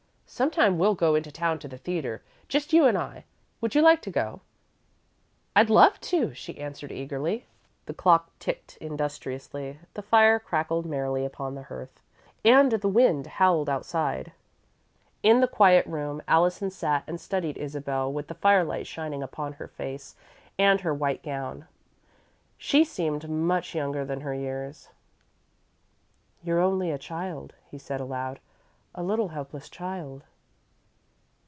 Sometime we'll go into town to the theatre, just you and I. Would you like to go?" "I'd love to," she answered, eagerly. The clock ticked industriously, the fire crackled merrily upon the hearth, and the wind howled outside. In the quiet room, Allison sat and studied Isabel, with the firelight shining upon her face and her white gown. She seemed much younger than her years. "You're only a child," he said, aloud; "a little, helpless child."